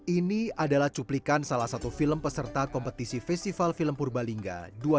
ini adalah cuplikan salah satu film peserta kompetisi festival film purbalingga dua ribu dua puluh